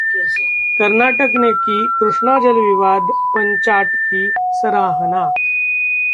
कर्नाटक ने की कृष्णा जल विवाद पंचाट की सराहना